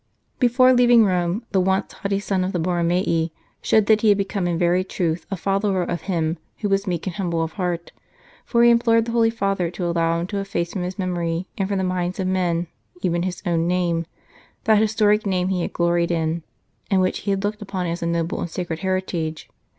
Before leaving Rome, the once haughty son of the Borromei showed that he had become in very truth a follower of Him who was meek and humble of heart, for he implored the Holy Father to allow him to efface from his memory, and from the minds of men, even his own name that 134 " Tales Ambio Defensores historic name he had gloried in, and which he had looked upon as a noble and sacred heritage.